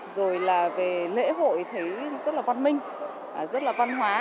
rồi là về lễ hội thấy rất là văn minh rất là văn hóa